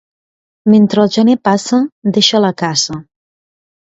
Mentre el gener passa deixa la caça.